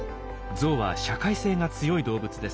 ゾウは社会性が強い動物です。